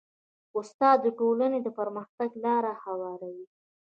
استاد د ټولنې د پرمختګ لاره هواروي.